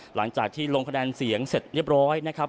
หลังจากที่ลงคะแนนเสียงเสร็จเรียบร้อยนะครับ